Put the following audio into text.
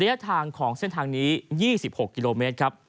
ระยะทางของเส้นทางนี้๒๖กิโลเมตรครับ